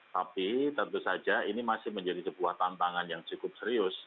tapi tentu saja ini masih menjadi sebuah tantangan yang cukup serius